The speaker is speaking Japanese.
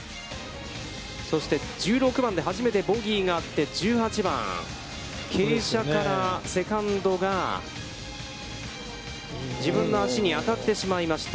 そして、１６番で初めてボギーがあって、１８番、傾斜からセカンドが自分の足に当たってしまいました。